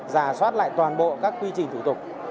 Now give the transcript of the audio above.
giả soát lại toàn bộ các quy trình thủ tục